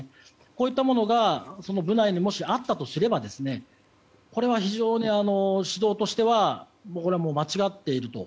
こういったものが部内にもしあったとすればこれは非常に指導としては間違っていると。